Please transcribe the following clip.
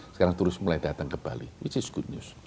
sekarang terus mulai datang ke bali which is good news